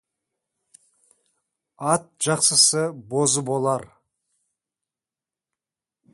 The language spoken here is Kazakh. Ат жақсысы бозы болар.